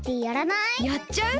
やっちゃう？